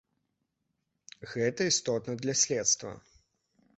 Гэта істотна для следства.